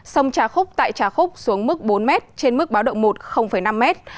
sông trà khúc tại trà khúc xuống mức bốn mét trên mức báo động một năm mét